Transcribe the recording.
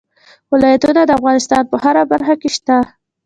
ولایتونه د افغانستان په هره برخه کې شته.